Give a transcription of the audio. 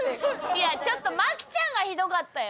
いやちょっと麻貴ちゃんがひどかったよ！